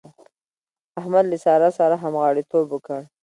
احمد له سارا سره همغاړيتوب وکړ.